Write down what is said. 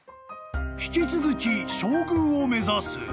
［引き続き正宮を目指す］